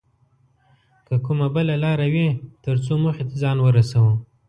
که کومه بله لاره وي تر څو موخې ته ځان ورسوو